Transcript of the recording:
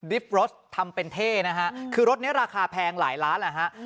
ดริฟต์รถทำเป็นเท่นะฮะคือรถเนี้ยราคาแพงหลายล้านอะฮะ